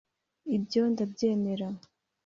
Ibyo ndabyemera